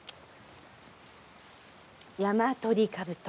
ヤマトリカブト。